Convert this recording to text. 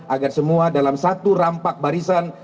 agar semua dalam satu rampak barisan